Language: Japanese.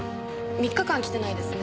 ３日間来てないですね。